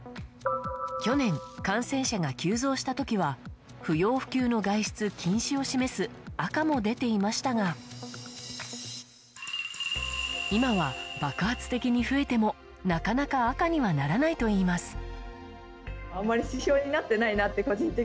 去年、感染者が急増した時は不要不急の外出禁止を示す赤も出ていましたが今は、爆発的に増えてもなかなか赤にはならないといいます。